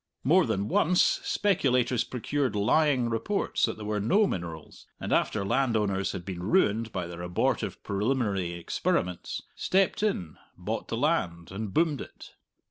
More than once, speculators procured lying reports that there were no minerals, and after landowners had been ruined by their abortive preliminary experiments, stepped in, bought the land, and boomed it.